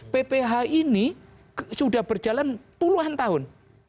pph ini sudah berjalan puluhan tahun